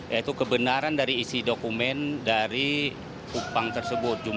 yaitu kebenaran dari isi dokumen dari upang tersebut